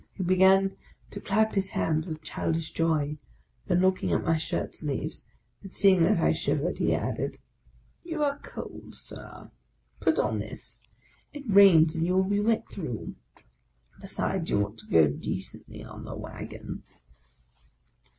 He began to clap his hands with childish joy; then looking at my shirt sleeves, and seeing that I shivered, he added, " You are cold. Sir; put on this; it rains, and you will be wet through; be sides, you ought to go decently on the wagon